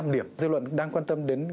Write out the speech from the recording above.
điểm dư luận đang quan tâm đến